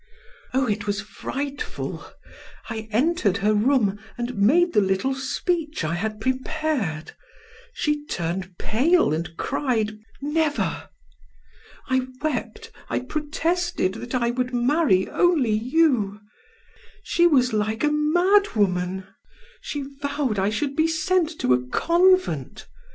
"Oh, it was frightful! I entered her room and made the little speech I had prepared. She turned pale and cried: 'Never!' I wept, I protested that I would marry only you; she was like a mad woman; she vowed I should be sent to a convent.